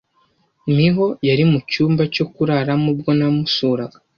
Miho yari mucyumba cyo kuraramo ubwo namusuraga.